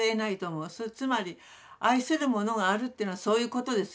つまり愛する者があるというのはそういうことですよね。